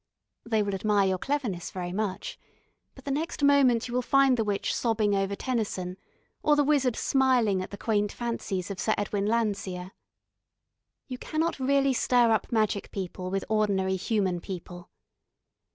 They will admire your cleverness very much, but the next moment you will find the witch sobbing over Tennyson, or the wizard smiling at the quaint fancies of Sir Edwin Landseer. You cannot really stir up magic people with ordinary human people.